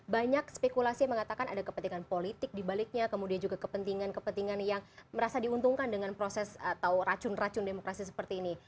banyak spekulasi yang mengatakan ada kepentingan politik dibaliknya kemudian juga kepentingan kepentingan yang merasa diuntungkan dengan proses atau racun racun demokrasi seperti ini